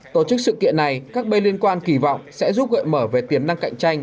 tổ chức sự kiện này các bên liên quan kỳ vọng sẽ giúp gợi mở về tiềm năng cạnh tranh